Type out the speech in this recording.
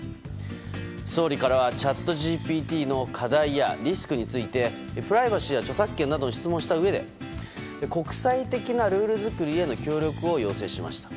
総理からは、チャットＧＰＴの課題のリスクについてプライバシーや著作権などの質問をしたうえで国際的なルール作りの協力を要請しました。